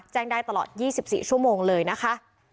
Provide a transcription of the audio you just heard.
แจ้งได้ตลอด๒๔ชั่วโมงเลยนะคะ